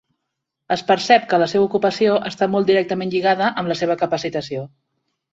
Es percep que la seva ocupació està molt directament lligada amb la seva capacitació.